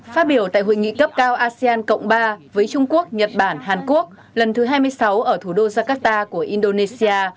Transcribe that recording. phát biểu tại hội nghị cấp cao asean cộng ba với trung quốc nhật bản hàn quốc lần thứ hai mươi sáu ở thủ đô jakarta của indonesia